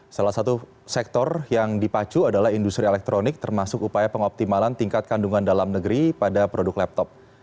salah satu sektor yang dipacu adalah industri elektronik termasuk upaya pengoptimalan tingkat kandungan dalam negeri pada produk laptop